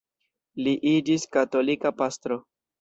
Li iĝis katolika pastro.